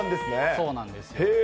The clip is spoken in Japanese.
そうなんですよ。